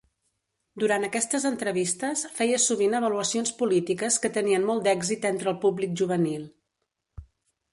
Durant aquestes entrevistes, feia sovint avaluacions polítiques que tenien molt d'èxit entre el públic juvenil.